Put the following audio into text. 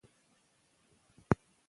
دا داستان د انسان د روح ژورې سپړي.